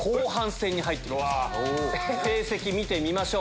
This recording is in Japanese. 成績見てみましょう。